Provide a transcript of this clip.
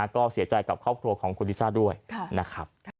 ก็เสียใจกับครอบครัวของคุณลิซ่าด้วยนะครับ